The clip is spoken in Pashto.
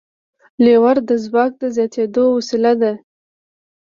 لیور د ځواک د زیاتېدو وسیله ده.